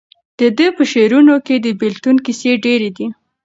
د ده په شعرونو کې د بېلتون کیسې ډېرې دي.